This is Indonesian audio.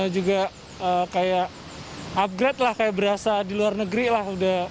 juga kayak upgrade lah kayak berasa di luar negeri lah